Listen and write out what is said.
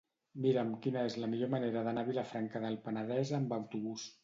Mira'm quina és la millor manera d'anar a Vilafranca del Penedès amb autobús.